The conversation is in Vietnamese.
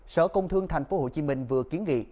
sở công thương tp hcm vừa kiến nghị